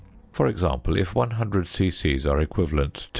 For example, if one hundred c.c. are equivalent to 0.